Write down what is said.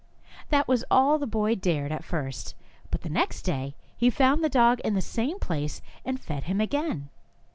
That was all the boy dared at first, but the next day he found the dog in the same place and fed him again.